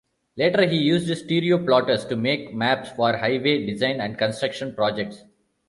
Later he used stereo-plotters to make maps for highway design and construction projects.